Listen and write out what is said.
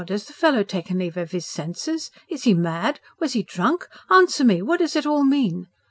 Has the fellow taken leave of his senses? Is he mad? Was he drunk? Answer me! What does it all mean?"